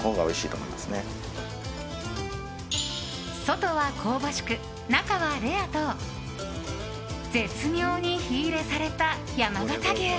外は香ばしく、中はレアと絶妙に火入れされた山形牛。